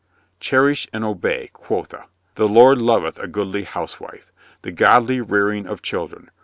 Cherish I and obey, quotha ! The Lord loveth a goodly housewife! The godly rearing of children!